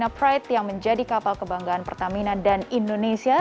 ya blcc pertamina pride yang menjadi kapal kebanggaan pertamina dan indonesia